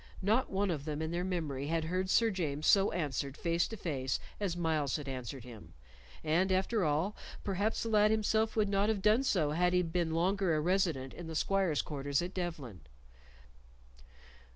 Not one of them in their memory had heard Sir James so answered face to face as Myles had answered him, and, after all, perhaps the lad himself would not have done so had he been longer a resident in the squires' quarters at Devlen.